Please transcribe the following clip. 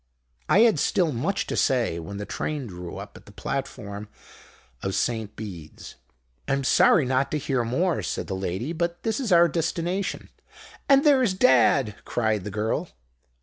"I had still much to say when the train drew up at the platform of St Beeds. "'I'm sorry not to hear more,' said the lady, 'but this is our destination.' "'And there's Dad!' cried the girl.